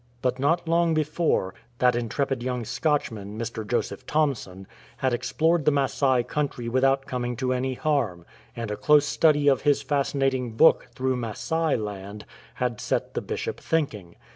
But not long before, that intrepid young Scotchman, Mr. Joseph Thomson, had explored the Masai country without coming to any harm ; and a close study of his fascinating book, Through Masai Land, had set the Bishop thinking.